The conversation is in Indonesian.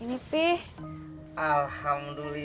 ini my day